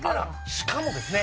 しかもですね